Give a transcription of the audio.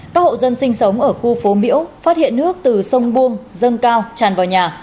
các hộ dân sinh sống ở khu phố miễu phát hiện nước từ sông buông dâng cao tràn vào nhà